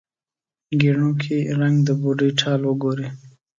ګېڼو کې رنګ، د بوډۍ ټال وګورې